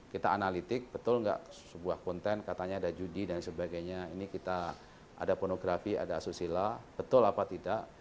kita analitik betul nggak sebuah konten katanya ada judi dan sebagainya ini kita ada pornografi ada asusila betul apa tidak